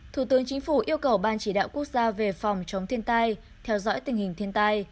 thủ tướng chính phủ yêu cầu ban chỉ đạo quốc gia về phòng chống thiên tai theo dõi tình hình thiên tai